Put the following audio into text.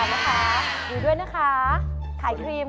อยู่ด้วยนะคะถ่ายครีมค่ะ